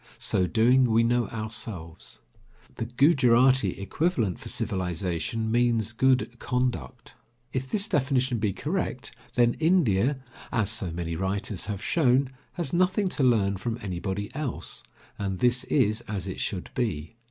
So doing, we know ourselves. The Gujarati equivalent for civilization means "good conduct." If this definition be correct, then India, as so many writers have shown, has nothing to learn from anybody else, and this is as it should be.